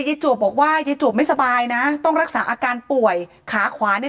จวบบอกว่ายายจวบไม่สบายนะต้องรักษาอาการป่วยขาขวาเนี่ย